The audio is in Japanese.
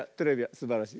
すばらしい。